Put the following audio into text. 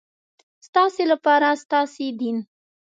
ستاسې لپاره ستاسې دین.